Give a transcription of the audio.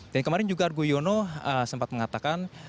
dan kemarin juga argo yono sempat mengatakan